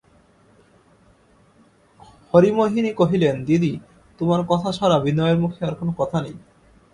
হরিমোহিনী কহিলেন, দিদি, তোমার কথা ছাড়া বিনয়ের মুখে আর কোনো কথা নেই।